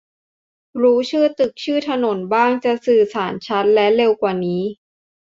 รู้ชื่อตึก ชื่อถนนบ้าง จะสื่อสารชัดและเร็วกว่านี้